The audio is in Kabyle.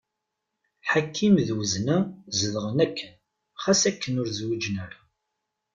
Ḥakim d Wezna zedɣen akken xas akken ur zwiǧen ara.